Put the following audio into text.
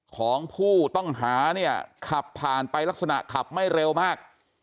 ของผู้ต้องหาเนี่ยขับผ่านไปลักษณะขับไม่เร็วมาก